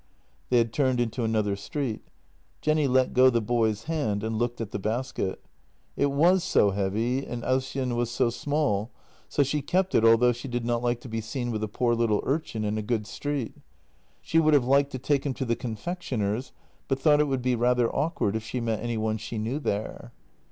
They had turned into another street. Jenny let go the boy's hand and looked at the basket. It was so heavy, and Ausjen was so small — so she kept it, although she did not like to be seen with a poor little urchin in a good street. She would have like to take him to the confectioner's, but thought it would be rather awkward if she met any one she knew there.